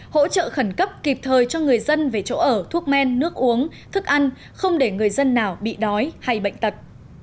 hỗ trợ khẩn cấp kịp thời cho người dân về chỗ ở thuốc men nước uống thức ăn không để người dân nào bị đói hay bệnh tật